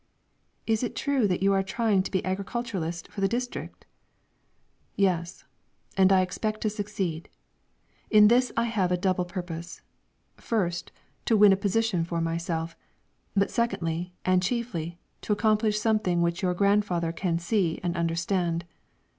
"Is it true that you are trying to be agriculturist for the district?" "Yes, and I expect to succeed. In this I have a double purpose: first, to win a position for myself; but secondly, and chiefly, to accomplish something which your grandfather can see and understand.